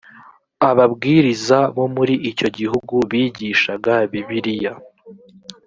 ababwiriza bo muri icyo gihugu bigishaga bibiliya